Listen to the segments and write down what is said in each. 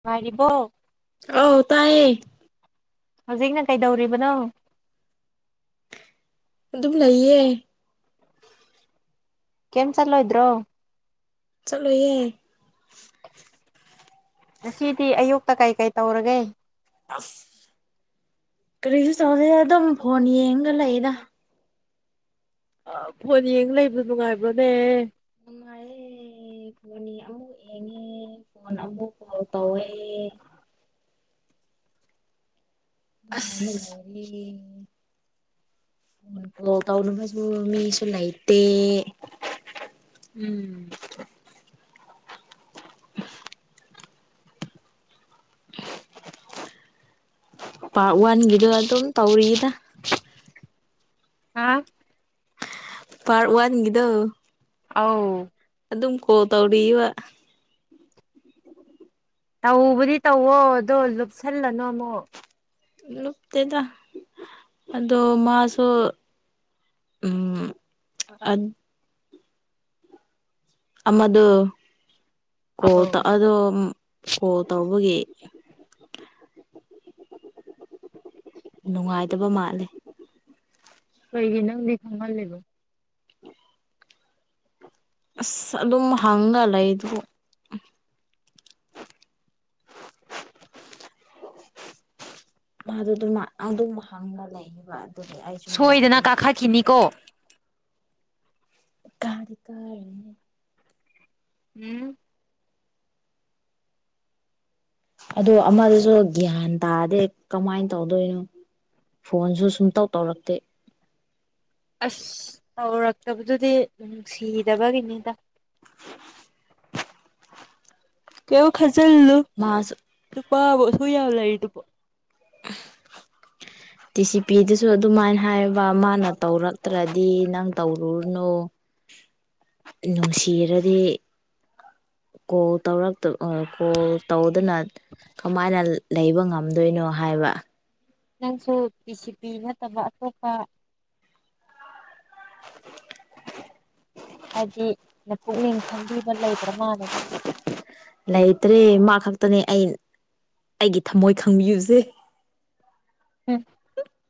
ꯉꯥꯏꯔꯤꯕꯣ ꯑꯧ ꯇꯥꯏꯌꯦ ꯍꯧꯖꯤꯛꯅ ꯀꯩꯗꯧꯔꯤꯕꯅꯣ ꯑꯗꯨꯝ ꯂꯩꯌꯦ ꯀꯦꯝ ꯆꯠꯂꯣꯏꯗ꯭ꯔꯣ ꯆꯠꯂꯣꯏꯌꯦ ꯉꯁꯤꯗꯤ ꯑꯌꯨꯛꯇ ꯀꯩ ꯀꯩ ꯇꯧꯔꯒꯦ ꯑꯁ ꯀꯔꯤꯁꯨ ꯇꯧꯗꯦ ꯑꯗꯨꯝ ꯐꯣꯟ ꯌꯦꯡꯒ ꯂꯩꯗ ꯑꯥ ꯐꯣꯟ ꯌꯦꯡ ꯂꯩꯕꯗꯣ ꯅꯨꯡꯉꯥꯏꯕ꯭ꯔꯣꯅꯦ ꯅꯨꯉꯥꯢꯌꯦ ꯐꯣꯟꯅꯤ ꯑꯃꯨꯛ ꯌꯦꯡꯉꯦ ꯐꯣꯟ ꯑꯃꯨꯛ ꯀꯣꯜ ꯇꯧꯋꯦ ꯑꯗꯨꯃꯥꯏꯅ ꯑꯁ ꯂꯩꯔꯦ ꯐꯣꯟ ꯀꯣꯜ ꯇꯧꯅꯕꯁꯨ ꯃꯤꯁꯨ ꯂꯩꯥꯏꯇꯦ ꯎꯝ ꯄꯥꯔꯠ ꯋꯥꯟꯒꯤꯗꯣ ꯑꯗꯨꯝ ꯇꯧꯔꯤꯗ ꯑꯥ ꯄꯥꯔꯠ ꯋꯥꯟ ꯒꯤꯗꯣ ꯑꯥꯎ ꯑꯗꯨꯝ ꯀꯣꯜ ꯇꯧꯔꯤꯕ ꯇꯧꯕꯗꯤ ꯇꯧꯋꯣ ꯑꯗꯣ ꯂꯨꯞꯁꯜꯂꯅꯨ ꯑꯃꯨꯛ ꯂꯨꯞꯇꯦꯗ ꯑꯗꯣ ꯃꯥꯁꯨ ꯎꯝ ꯑꯥ ꯑꯃꯗꯨ ꯑꯧ ꯀꯣꯜꯇ ꯑꯗꯨꯝ ꯀꯣꯜ ꯇꯧꯕꯒꯤ ꯅꯨꯡꯉꯥꯏꯇꯕ ꯃꯥꯜꯂꯦ ꯀꯩꯒꯤ ꯅꯪꯗꯤ ꯈꯪꯍꯜꯂꯤꯕ ꯑꯁ ꯑꯗꯨꯝ ꯍꯪꯒ ꯂꯩꯗꯨꯕꯨ [inaudible] [inaudible] ꯃꯥꯗꯨ ꯑꯗꯨ ꯑꯗꯨꯝ ꯍꯪꯔ ꯂꯩꯑꯦ ꯁꯣꯏꯗꯅ ꯀꯥꯈꯠꯈꯤꯅꯤꯀꯣ ꯀꯥꯗꯤ ꯀꯥꯔꯣꯏꯍꯦ ꯎꯝ ꯑꯗꯣ ꯑꯃꯗꯨꯁꯨ ꯒ꯭ꯌꯥꯟ ꯇꯥꯗꯦ ꯀꯃꯥꯏ ꯇꯧꯗꯣꯏꯅꯣ ꯐꯣꯟꯁꯨ ꯁꯨꯡꯇꯧ ꯇꯧꯔꯛꯇꯦ ꯑꯁ ꯇꯧꯔꯛꯇꯕꯗꯨꯗꯤ ꯅꯨꯡꯁꯤꯗꯕꯒꯤꯅꯤꯗ ꯀꯩꯝ ꯈꯟꯖꯤꯜꯂꯨ ꯃꯥꯁꯨ ꯅꯨꯄꯥꯕꯨ ꯑꯁꯨꯛ ꯌꯥꯝ ꯂꯩꯔꯤꯗꯨꯕꯨ ꯇꯤ ꯁꯤ ꯄꯤꯗꯁꯨ ꯑꯗꯨꯃꯥꯏꯅ ꯍꯥꯏꯕ ꯃꯥꯅ ꯇꯧꯔꯛꯇ꯭ꯔꯗꯤ ꯅꯪ ꯇꯧꯔꯨꯔꯅꯨ ꯅꯨꯡꯁꯤꯔꯗꯤ ꯀꯣꯜ ꯇꯧꯔꯛꯇ ꯑ ꯀꯣꯜ ꯇꯧꯗꯅ ꯀꯃꯥꯏꯅ ꯂꯩꯕ ꯉꯝ ꯉꯝꯗꯣꯏꯅꯣ ꯍꯥꯏꯕ ꯅꯪꯁꯨ ꯄꯤ ꯁꯤ ꯄꯤ ꯅꯠꯇꯕ ꯑꯇꯣꯞꯄ [inaudible] ꯍꯥꯏꯕꯗꯤ ꯅꯄꯨꯛꯅꯤꯡ ꯈꯪꯕꯤꯕ ꯂꯩꯗ꯭ꯔ ꯃꯥꯜꯂꯦꯗ ꯂꯩꯇ꯭ꯔꯦ ꯃꯥ ꯈꯛꯇꯅꯦ ꯑꯩ ꯑꯩꯒꯤ ꯊꯝꯃꯣꯏ ꯈꯪꯕꯤꯕꯖꯦ [inaudible]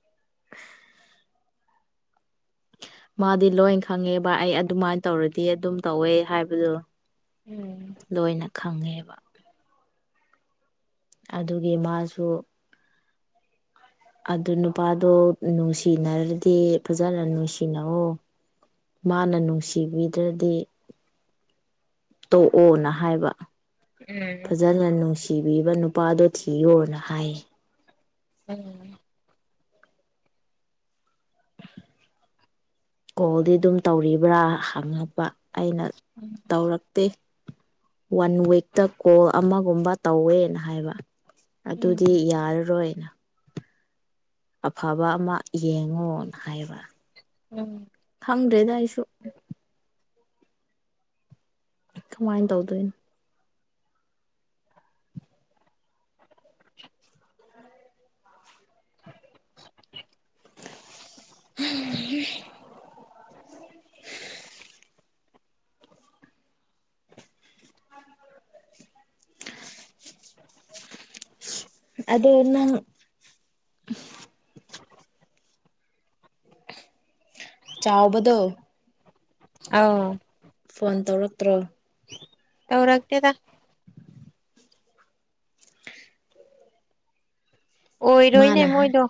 ꯃꯥꯗꯤ ꯂꯣꯏ ꯈꯪꯉꯦꯕ ꯑꯩ ꯑꯗꯨꯃꯥꯏꯅ ꯇꯧꯔꯗꯤ ꯑꯗꯨꯝ ꯇꯧꯋꯦ ꯍꯥꯏꯕꯗꯣ ꯎꯝ ꯂꯣꯏꯅ ꯈꯪꯉꯦꯕ ꯑꯗꯨꯒꯤ ꯃꯥꯁꯨ ꯑꯗꯨ ꯅꯨꯄꯥꯗꯣ ꯅꯨꯡꯁꯤꯅꯔꯗꯤ ꯐꯖꯟꯅ ꯅꯨꯡꯁꯤꯅꯧꯑꯣ ꯃꯥꯅ ꯅꯨꯡꯁꯤꯕꯤꯗ꯭ꯔꯗꯤ ꯇꯣꯛꯑꯣꯅ ꯍꯥꯏꯕ ꯐꯖꯅ ꯅꯨꯡꯁꯤꯕꯤꯕ ꯅꯨꯄꯥꯗꯣ ꯊꯤꯌꯣꯅ ꯍꯥꯏꯌꯦ ꯎꯝ ꯀꯣꯜꯗꯤ ꯑꯗꯨꯝ ꯇꯧꯔꯤꯕ꯭ꯔ ꯍꯪꯉꯛꯄ ꯑꯩꯅ ꯇꯧꯔꯛꯇꯦ ꯋꯥꯟ ꯋꯤꯛꯇ ꯀꯣꯜ ꯑꯃꯒꯨꯝꯕ ꯇꯧꯋꯦꯅ ꯍꯥꯏꯕ ꯎꯝ ꯑꯗꯨꯗꯤ ꯌꯥꯔꯔꯣꯏꯅ ꯑꯐꯕ ꯑꯃ ꯌꯦꯡꯉꯣꯅ ꯍꯥꯏꯕ ꯌꯝ ꯈꯪꯗ꯭ꯔꯦꯗ ꯑꯩꯁꯨ ꯀꯃꯥꯏ ꯇꯧꯗꯣꯏꯅꯣ [inaudible] ꯑꯗꯣ ꯅꯪ ꯆꯥꯎꯕꯗꯣ ꯑꯥꯎ ꯐꯣꯟ ꯇꯧꯔꯛꯇ꯭ꯔꯣ ꯇꯧꯔꯛꯇꯦꯗ ꯑꯣꯏꯔꯣꯏꯅꯦ ꯃꯥꯅ ꯍꯥꯏ ꯃꯣꯏꯗꯣ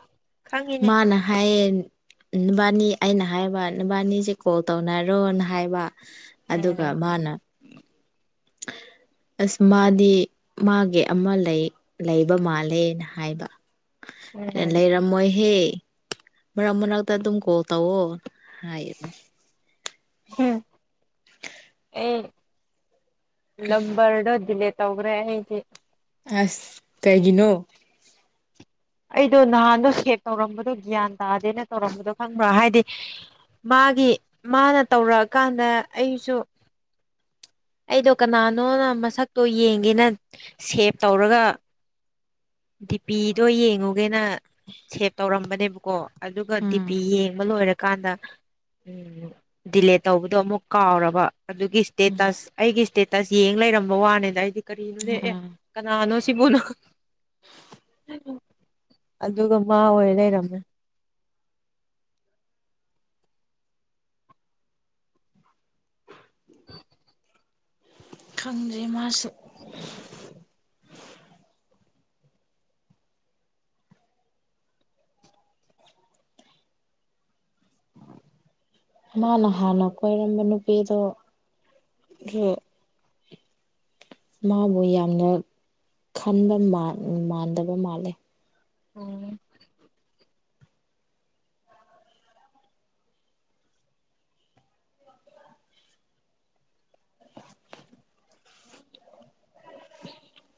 ꯈꯪꯉꯤꯅꯦ ꯃꯥꯅ ꯍꯥꯏꯌꯦ ꯅꯕꯅꯤ ꯑꯩꯅ ꯍꯥꯏꯕ ꯅꯕꯅꯤꯁꯦ ꯀꯣꯜ ꯇꯧꯅꯔꯣꯅ ꯍꯥꯏꯕ ꯑꯗꯨꯒ ꯎꯝ ꯃꯥꯅ [inaudible] ꯑꯁ ꯃꯥꯗꯤ ꯃꯥꯒꯤ ꯑꯃ ꯂꯩ ꯂꯩꯕ ꯃꯥꯜꯂꯦꯅ ꯍꯥꯏꯕ ꯍꯥ ꯎꯝ ꯂꯩꯔꯝꯃꯣꯏꯍꯦ ꯃꯔꯛ ꯃꯔꯛꯇ ꯑꯗꯨꯝ ꯀꯣꯜ ꯇꯧꯋꯣ ꯍꯥꯏꯌꯦ ꯍꯝ [inaudible] ꯑꯦ ꯅꯝꯕꯔꯗꯣ ꯗꯤꯂꯦꯠ ꯇꯧꯒꯔꯦ ꯑꯩꯗꯤ ꯑꯁ ꯀꯩꯒꯤꯅꯣ ꯑꯩꯗꯣ ꯅꯍꯥꯟꯗꯣ ꯁꯦꯞ ꯇꯧꯔꯝꯕꯗꯣ ꯒ꯭ꯌꯥꯟ ꯇꯥꯗꯦꯅ ꯇꯧꯔꯝꯕꯗꯣ ꯈꯪꯕꯔꯥ ꯍꯥꯏꯗꯤ ꯃꯥꯒꯤ ꯃꯥꯅ ꯇꯧꯔꯛꯑꯀꯥꯟꯗ ꯑꯩꯁꯨ [inaudible] ꯑꯩꯗꯣ ꯀꯅꯥꯅꯣꯅ ꯃꯁꯛꯇꯣ ꯌꯦꯡꯒꯦꯅ ꯁꯦꯞ ꯇꯧꯔꯒ ꯗꯤꯄꯤꯗꯣ ꯌꯦꯡ ꯇꯧꯒꯦꯅ ꯁꯦꯞ ꯇꯧꯔꯝꯕꯅꯦꯕꯀꯣ ꯑꯗꯨꯒ ꯎꯝ ꯗꯤꯄꯤ ꯌꯦꯡꯕ ꯂꯣꯏꯔ ꯀꯥꯟꯗ ꯎꯝ ꯗꯤꯂꯦꯠ ꯇꯧꯕꯗꯣ ꯑꯃꯨꯛ ꯀꯥꯎꯔꯕ ꯑꯗꯨꯒꯤ ꯎꯝ ꯏꯁꯇꯦꯇꯁ ꯑꯩꯒꯤ ꯏꯁꯇꯦꯇꯁ ꯌꯦꯡ ꯂꯩꯔꯝꯕ ꯋꯥꯅꯤꯗ ꯑꯩꯗꯤ ꯀꯔꯤꯅꯣꯅꯦ ꯑꯦ ꯑꯥ ꯀꯅꯥꯅꯣ [unintelligible] ꯑꯗꯨꯒ ꯃꯥ ꯑꯣꯏ ꯂꯩꯔꯝꯃꯦ [inaudible] ꯈꯪꯗꯦ ꯃꯥꯁꯨ ꯃꯥꯅ ꯍꯥꯟꯅ ꯀꯣꯏꯔꯝꯕ ꯅꯨꯄꯤꯗꯣ ꯃꯥꯕꯨ ꯌꯥꯝꯅ ꯈꯟꯕ ꯃꯥꯟ ꯃꯥꯟꯗꯕ ꯃꯥꯜꯂꯦ ꯎꯝ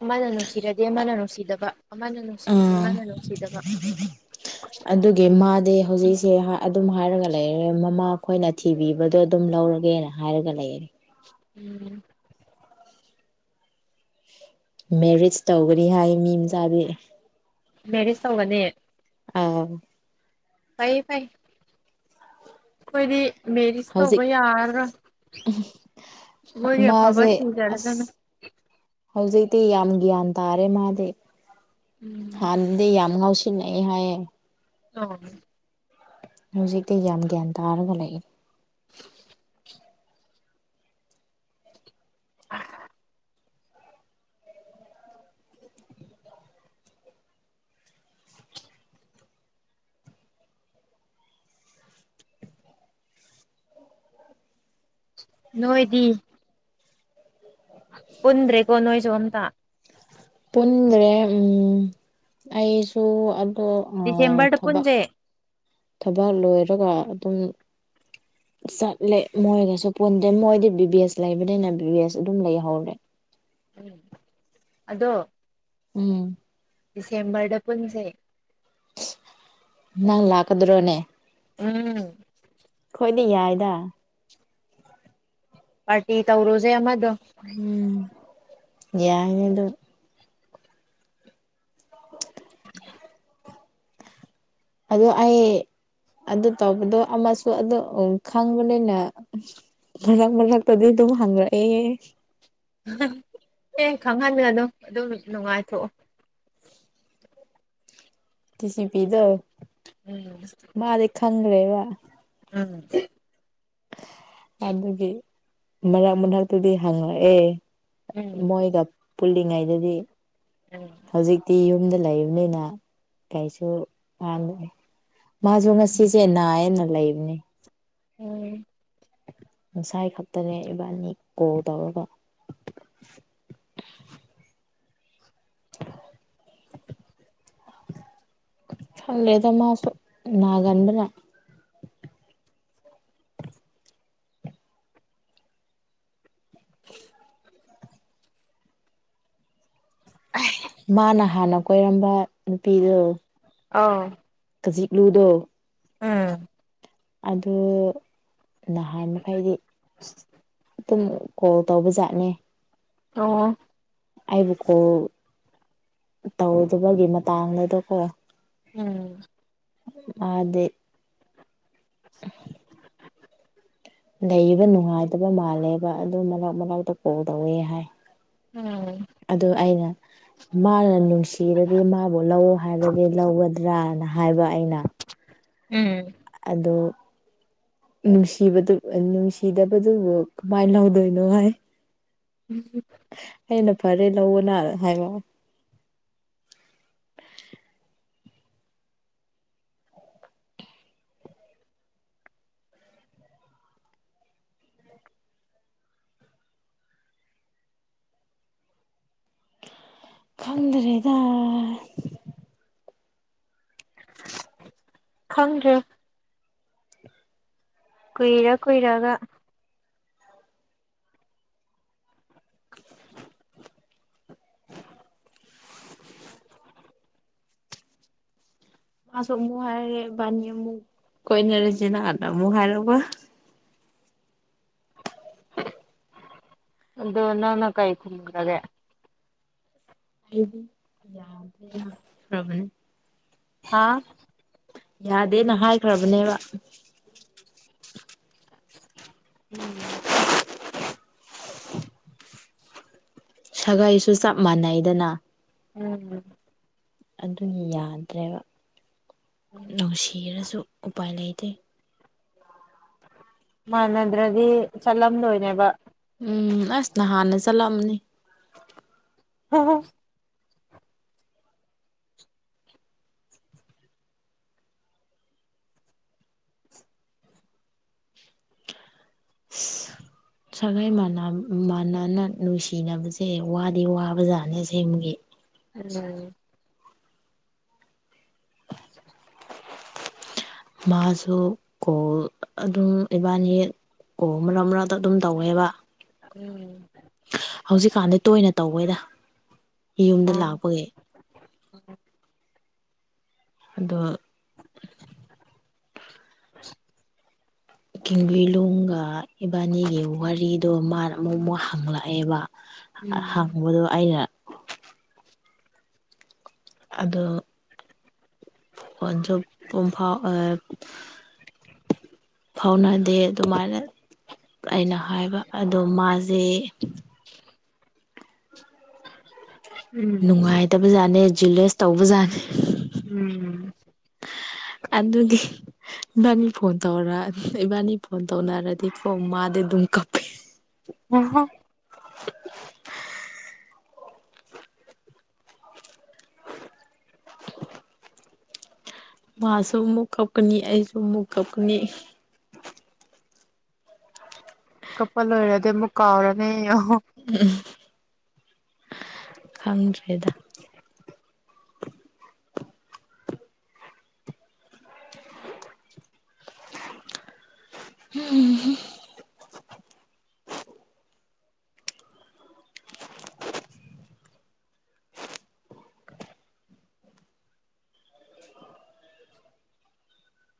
ꯑꯃꯅ ꯅꯨꯡꯁꯤꯔꯗꯤ ꯑꯃꯅ ꯅꯨꯡꯁꯤꯗꯕ ꯑꯃꯥꯅ ꯅꯨꯡꯁꯤꯔꯗꯤ ꯑꯥ ꯑꯃꯥꯅ ꯅꯨꯡꯁꯤꯗꯕ ꯑꯗꯨꯒꯤ ꯃꯥꯗꯤ ꯍꯧꯖꯤꯛꯁꯦ ꯑꯗꯨꯝ ꯍꯥꯏꯔꯒ ꯂꯩꯔꯦ ꯃꯃꯥ ꯈꯣꯏꯅ ꯊꯤꯕꯤꯕꯗꯣ ꯑꯗꯨꯝ ꯂꯧꯔꯒꯦꯅ ꯍꯥꯏꯔꯒ ꯂꯩꯔꯦ ꯎꯝ ꯃꯦꯔꯤꯖ ꯇꯧꯒꯅꯤ ꯍꯥꯏ ꯃꯤ ꯃꯆꯥꯗꯤ ꯃꯦꯔꯤꯁ ꯇꯧꯒꯅꯦ ꯑꯥꯎ ꯐꯩꯌꯦ ꯐꯥꯥꯩ ꯑꯩꯈꯣꯏꯗꯤ ꯃꯦꯔꯤꯖ ꯇꯧꯕ ꯍꯧꯖꯤꯛ ꯌꯥꯔ ꯔꯥꯥꯥ ꯃꯣꯏꯒꯤ ꯑꯐꯕ ꯃꯥꯁꯦ ꯑꯁ ꯊꯤꯖꯔꯁꯅꯨ ꯍꯧꯖꯤꯛꯇꯤ ꯌꯥꯝ ꯒ꯭ꯌꯥꯟ ꯇꯥꯔꯦ ꯃꯥꯗꯤ ꯎꯝ ꯍꯥꯟꯅꯗꯤ ꯌꯥꯝ ꯉꯥꯎꯁꯤꯟ [unintelligible] ꯅꯩ ꯍꯥꯏꯌꯦ [unintelligible] ꯑꯣ ꯍꯧꯖꯤꯛꯇꯤ ꯌꯥꯝ ꯒ꯭ꯌꯥꯟ ꯇꯥꯔꯒ ꯂꯩ [inaudible] ꯅꯣꯏꯗꯤ ꯄꯨꯟꯗ꯭ꯔꯦꯀꯣ ꯅꯣꯏꯁꯨ ꯑꯝꯇ ꯄꯨꯟꯗ꯭ꯔꯦ ꯎꯝ ꯑꯩꯁꯨ ꯑ ꯍꯣ ꯑꯥ ꯗꯤꯁꯦꯝꯕꯔꯗ ꯊꯕꯛ ꯄꯨꯟꯁꯦ ꯊꯕꯛ ꯂꯣꯏꯔꯒ ꯑꯗꯨꯝ [inaudible] ꯆꯠꯂꯦ ꯃꯣꯏꯒꯁꯨ ꯄꯨꯟꯗ꯭ꯔꯦ ꯃꯣꯏꯗꯤ ꯕꯤ ꯕꯤ ꯑꯦꯁ ꯂꯩꯕꯅꯤꯅ ꯕꯤ ꯕꯤ ꯑꯦꯁ ꯑꯗꯨꯝ ꯂꯩꯍꯧꯔꯦ ꯎꯝ ꯑꯗꯣ ꯎꯝ ꯗꯤꯁꯦꯝꯕꯔꯗ ꯄꯨꯟꯁꯦ ꯅꯪ ꯂꯥꯛꯀꯗ꯭ꯔꯣꯅꯦ ꯎꯝ ꯌꯥꯏꯗ ꯄꯔꯇꯤ ꯇꯧꯔꯨꯖꯦ ꯑꯃꯗꯣ ꯌꯥꯏꯅꯦ ꯗꯨꯝ [unintelligible] ꯑꯗꯣ ꯑꯩ ꯑꯗꯨ ꯇꯧꯕꯗꯣ ꯑꯃꯁꯨ ꯑꯗꯣ ꯈꯪꯕꯅꯤꯅ ꯃꯔꯛ ꯃꯔꯛꯇꯗꯤ ꯑꯗꯨꯝ ꯍꯪꯉꯛꯑꯦ ꯌꯦ ꯈꯪꯍꯜꯂꯅꯨ ꯑꯗꯨꯝ ꯅꯨꯡꯉꯥꯏꯊꯣꯛꯑꯣ ꯀꯤꯁꯤ ꯄꯤꯗꯣ ꯎꯝ ꯃꯥꯗꯤ ꯈꯪꯒ꯭ꯔꯦꯕꯥ [unintelligible] ꯑꯗꯨꯒꯤ ꯃꯔꯛ ꯃꯔꯛꯇꯗꯤ ꯍꯪꯉꯛ ꯑꯦ ꯎꯝ ꯃꯣꯏꯒ ꯄꯨꯜꯂꯤꯉꯩꯗꯗꯤ ꯎꯝ ꯎꯝ ꯍꯧꯖꯤꯛꯇꯤ ꯌꯨꯝꯗ ꯂꯩ ꯅ ꯀꯩꯁꯨ ꯄꯗꯦ ꯃꯥꯖꯨ ꯉꯁꯤꯁꯦ ꯅꯥꯏꯌꯦꯅ ꯂꯩꯕꯅꯦ ꯎꯝ ꯉꯁꯥꯏ ꯈꯛꯇꯅꯦ ꯏꯕꯥꯅꯤ ꯀꯣꯜ ꯇꯧꯔꯒ [unintelligible] [unintelligible] ꯍꯜꯂꯦꯗ ꯃꯥꯁꯨ ꯅꯒꯟꯕꯅ ꯃꯥꯅ ꯍꯥꯟꯅ ꯀꯣꯏꯔꯝꯕ ꯅꯨꯄꯤꯗꯣ ꯑꯥꯎ ꯈꯖꯤꯛꯂꯨꯗꯣ ꯎꯝ ꯑꯗꯨ ꯅꯍꯥꯟ ꯃꯈꯩꯗꯤ ꯑꯗꯨꯝ ꯀꯣꯜ ꯇꯧꯕꯖꯥꯠꯅꯦ ꯑꯣ ꯑꯣ ꯑꯩꯕꯨ ꯀꯣꯜ ꯇꯧꯗꯕꯒꯤ ꯃꯇꯥꯡꯗꯨꯗꯀꯣ ꯎꯝ ꯃꯥꯗꯤ ꯂꯩꯕ ꯅꯨꯡꯉꯥꯏꯇꯕ ꯃꯥꯜꯂꯦꯕ ꯑꯗꯨꯝ ꯃꯔꯛ ꯃꯔꯛꯇ ꯀꯣꯜ ꯇꯧꯋꯦ ꯍꯥꯏ ꯎꯝ ꯑꯗꯨ ꯑꯩꯅ ꯃꯥꯅ ꯅꯨꯡꯁꯤꯔꯗꯤ ꯃꯥꯕꯨ ꯂꯧ ꯍꯥꯏꯔꯗꯤ ꯂꯧꯒꯗ꯭ꯔꯥꯅ ꯍꯥꯏꯕ ꯑꯩꯅ ꯎꯝ ꯑꯗꯣ ꯅꯨꯡꯁꯤꯕꯗꯨ ꯅꯨꯡꯁꯤꯗꯕꯗꯨꯕꯨ ꯀꯃꯥꯏꯅ ꯂꯧꯗꯣꯏꯅꯣ ꯍꯥꯏ ꯎꯝ ꯑꯩꯅ ꯐꯔꯦ ꯂꯧꯑꯣꯅ ꯍꯥꯏꯕ ꯈꯪꯗ꯭ꯔꯦꯗ ꯈꯪꯗ꯭ꯔꯦ ꯀꯨꯏꯔ ꯀꯨꯏꯔꯒ [unintelligible] ꯃꯥꯁꯨ ꯑꯃꯨꯛ ꯍꯥꯏꯔꯦ ꯕꯥꯅꯤ ꯑꯃꯨꯛ ꯀꯣꯏꯅꯔꯁꯦ ꯅꯍꯥꯟꯅ ꯑꯃꯨꯛ ꯍꯥꯏꯔꯛꯕ ꯑꯗꯣ ꯅꯪꯅ ꯀꯩ ꯈꯨꯝꯈ꯭ꯔꯒꯦ ꯑꯩꯗꯤ ꯌꯥꯗꯤ ꯌꯥꯈ꯭ꯔꯕꯅꯦ ꯍꯥ ꯌꯥꯗꯦꯅ ꯍꯥꯏꯈ꯭ꯔꯕꯅꯦꯕ ꯎꯝ ꯁꯥꯒꯩꯁꯨ ꯆꯞ ꯃꯥꯟꯅꯩꯗꯅ ꯎꯝ ꯑꯗꯨ ꯌꯥꯗ꯭ꯔꯦꯕ ꯅꯨꯡꯁꯤꯔꯁꯨ ꯎꯄꯥꯏ ꯂꯩꯇꯦ ꯇꯦ ꯃꯥꯟꯅꯗ꯭ꯔꯗꯤ ꯆꯠꯂꯝꯂꯣꯏꯅꯦꯕ ꯎꯝ ꯑꯁ ꯅꯍꯥꯟꯅ ꯆꯠꯂꯝꯅꯤ ꯑꯍ [inaudible] ꯁꯥꯒꯩ ꯃꯥꯟꯅ ꯃꯥꯟꯅꯅ ꯅꯨꯡꯁꯤꯅꯕꯁꯦ ꯋꯥꯗꯤ ꯋꯥꯕ ꯖꯥꯠꯅꯦ ꯑꯁꯦꯡꯕꯒꯤ ꯎꯝ [inaudible] ꯃꯥꯁꯨ ꯀꯣꯜ ꯑꯗꯨꯝ ꯏꯕꯅꯤ ꯀꯣ ꯃꯔꯛ ꯃꯔꯛꯇ ꯑꯗꯨꯝ ꯇꯧꯋꯦꯕ [inaudible] ꯍꯧꯖꯤꯛꯀꯥꯟꯗꯤ ꯇꯣꯏꯅ ꯇꯧꯋꯦꯗ ꯌꯨꯝꯗ ꯑꯣ ꯂꯥꯛꯄꯒꯤ [inaudible] ꯑꯗꯣ ꯑꯁ ꯀꯤꯡꯕꯤꯂꯨꯡꯒ ꯏꯕꯥꯅꯤꯒꯤ ꯋꯥꯔꯤꯗꯣ ꯃꯥꯅ ꯑꯃꯨꯛ ꯑꯃꯨꯛ ꯍꯪꯂꯛꯑꯦꯕ ꯍꯪꯕꯗꯣ ꯑꯩꯅ ꯑꯗꯣ ꯄꯨꯟꯖꯧ ꯄꯨꯡꯐꯥꯎ ꯑꯦ ꯐꯥꯎꯅꯗꯦ ꯑꯗꯨꯃꯥꯏꯅ ꯑꯩꯅ ꯍꯥꯏꯕ ꯑꯗꯣ ꯃꯥꯁꯦ ꯎꯝ ꯅꯨꯡꯉꯥꯏꯇꯕꯖꯥꯠꯅꯦ ꯖꯤꯂꯦꯁ ꯇꯧꯕꯖꯥꯠꯅꯤ ꯎꯝ ꯑꯗꯨꯒꯤ ꯏꯕꯥꯅꯤ ꯐꯣꯟ ꯇꯧꯔ ꯏꯕꯥꯅꯤ ꯐꯣꯟ ꯇꯧꯅꯔꯗꯤꯀꯣ ꯃꯥꯗꯤ ꯑꯗꯨꯝ ꯀꯞꯄꯤ [inaudible] [inaudible] ꯃꯥꯁꯨ ꯑꯃꯨꯛ ꯀꯞꯀꯅꯤ ꯑꯩꯁꯨ ꯑꯃꯨꯛ ꯀꯞꯀꯅꯤ ꯀꯞꯄ ꯂꯣꯏꯔꯗꯤ ꯑꯃꯨꯛ ꯀꯥꯎꯔꯅꯤ [inaudible] ꯈꯪꯗ꯭ꯔꯦꯗ [inaudible]